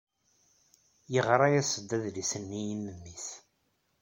Yeɣra-as-d adlis-nni i memmi-s.